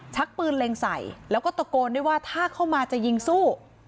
ชักปืนเล็งใส่แล้วก็ตะโกนด้วยว่าถ้าเข้ามาจะยิงสู้